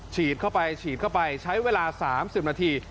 ฉีดเข้าไปฉีดเข้าไปใช้เวลา๓๐นาที